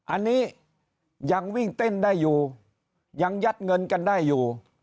อันนี้ยังวิ่งเต้นได้อยู่ยังยัดเงินกันได้อยู่